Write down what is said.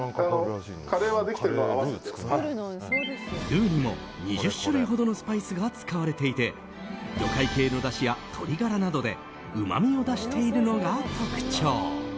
ルーにも２０種類ほどのスパイスが使われていて魚介系のだしや鶏ガラなどでうまみを出しているのが特徴。